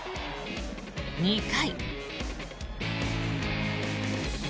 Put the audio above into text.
２回。